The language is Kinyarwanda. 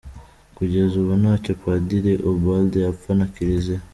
Kugeza ubu ntacyo Padiri Ubald apfa na Kiliziya.